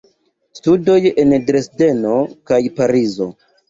Studoj en Dresdeno kaj Parizo.